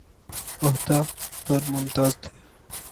عہدہ پر ممتاز تھے